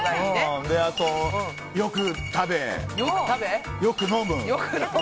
あとよく食べ、よく飲む。